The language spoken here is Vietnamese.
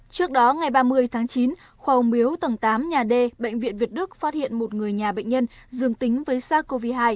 trước đó ngày ba mươi tháng chín khoa miếu tầng tám nhà d bệnh viện việt đức phát hiện một người nhà bệnh nhân dương tính với sars cov hai